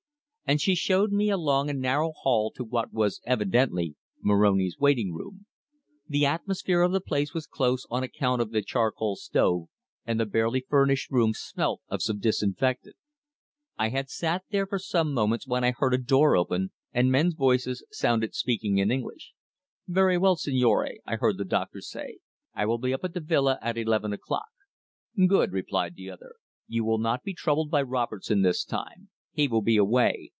And she showed me along a narrow hall to what was evidently Moroni's waiting room. The atmosphere of the place was close on account of the charcoal stove, and the barely furnished room smelt of some disinfectant. I had sat there for some moments when I heard a door open, and men's voices sounded speaking in English: "Very well, signore," I heard the doctor say. "I will be up at the villa at eleven o'clock." "Good," replied the other. "You will not be troubled by Robertson this time. He will be away.